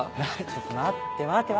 ちょっと待って待って。